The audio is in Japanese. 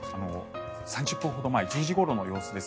３０分ほど前１０時ごろの様子です。